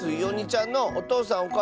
おにちゃんのおとうさん